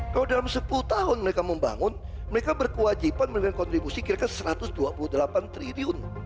kalau dalam sepuluh tahun mereka membangun mereka berkewajiban memberikan kontribusi kira kira satu ratus dua puluh delapan triliun